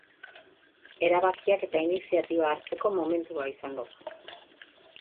Erabakiak eta iniziatiba hartzeko momentua izango da.